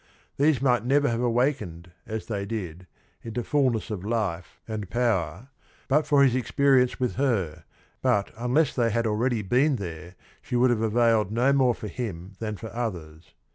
These might never have awakened, as they did, into fullness of life and CAPONSACCHI 101 power but for his experience with her, but unless they had already been there she would have availed no more for him than for others.